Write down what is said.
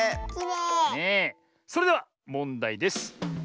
それではもんだいです。